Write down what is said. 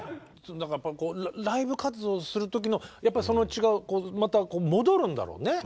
だからこうライブ活動する時のやっぱりその血がまた戻るんだろうね。